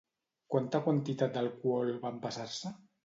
Quanta quantitat d'alcohol va empassar-se?